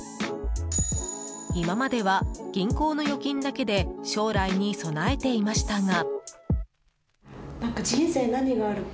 今までは、銀行の預金だけで将来に備えていましたが。